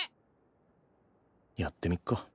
やってみっか。